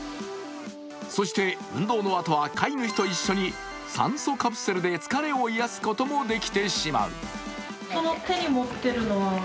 そして運動のあとは飼い主と一緒に酸素カプセルで疲れを癒やすこともできてしまう。